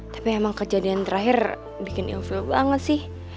tapi emang kejadian terakhir bikin inflow banget sih